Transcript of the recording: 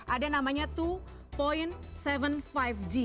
ada namanya dua tujuh lima g